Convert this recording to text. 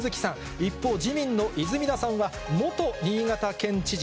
一方、自民の泉田さんは、元新潟県知事。